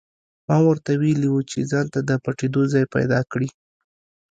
ما ورته ویلي وو چې ځانته د پټېدو ځای پیدا کړي